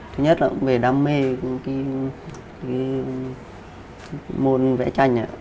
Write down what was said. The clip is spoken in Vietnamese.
thứ nhất là cũng về đam mê cái môn vẽ tranh